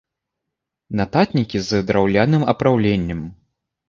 Нататнікі з драўляным апраўленнем.